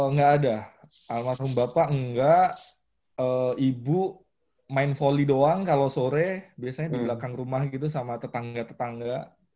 nggak ada almarhum bapak enggak ibu main volley doang kalau sore biasanya di belakang rumah gitu sama tetangga tetangga